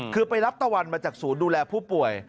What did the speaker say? คือไปรับตะวันมาจากศูนย์ดูแลผู้ป่วย